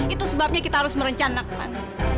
itu sebabnya kita harus merencanakan